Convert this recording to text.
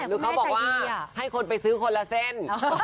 หรือเขาบอกว่าให้คนไปซื้อคนละเส้น